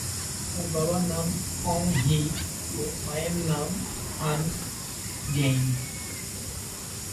তার বাবার নাম কং হি ও মায়ের নাম হান ঝেঙ।